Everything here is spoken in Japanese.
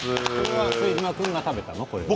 副島君、食べたの？